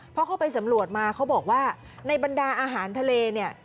เพราะเขาไปสำรวจมาเขาบอกว่าในบรรดาอาหารทะเล